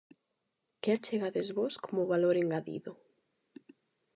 Que achegades vós como valor engadido?